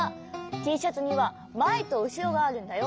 Ｔシャツにはまえとうしろがあるんだよ。